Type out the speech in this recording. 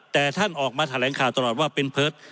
แต่ท่านออกมาแถลงข่าวตลอดว่าเป็นเพิร์ต